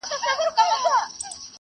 غواړو چي دا موضوع نوره هم روښانه کړو.